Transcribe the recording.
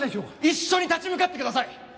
一緒に立ち向かってください！